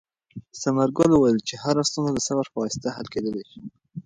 ثمرګل وویل چې هره ستونزه د صبر په واسطه حل کېدلای شي.